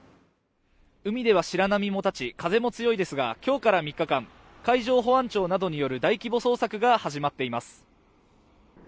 海では白波も立ち、風も強いですが今日から３日間海上保安庁などによる大規模捜索が始まっています。